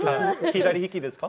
左利きですか？